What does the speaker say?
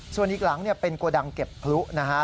ส่วนอีกหลังเป็นโกดังเก็บพลุนะฮะ